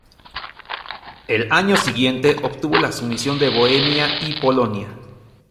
El año siguiente obtuvo la sumisión de Bohemia y Polonia.